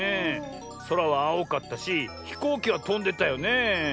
そらはあおかったしひこうきはとんでたよねえ。